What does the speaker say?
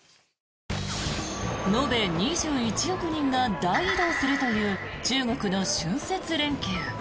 延べ２１億人が大移動するという中国の春節連休。